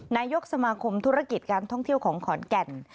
นายกสมาคมธุรกิจการท่องเที่ยวของขอนแก่น